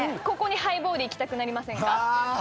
ここにハイボールいきたくなりませんか？